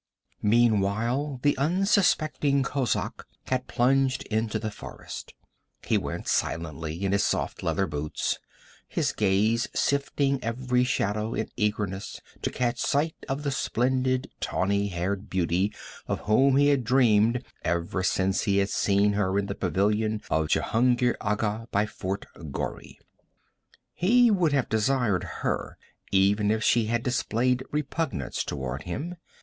Meanwhile the unsuspecting kozak had plunged into the forest. He went silently in his soft leather boots, his gaze sifting every shadow in eagerness to catch sight of the splendid tawny haired beauty of whom he had dreamed ever since he had seen her in the pavilion of Jehungir Agha by Fort Ghori. He would have desired her even if she had displayed repugnance toward him.